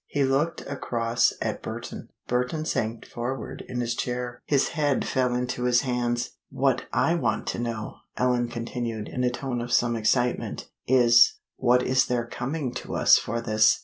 He looked across at Burton. Burton sank forward in his chair, his head fell into his hands. "What I want to know," Ellen continued, in a tone of some excitement, "is what is there coming to us for this?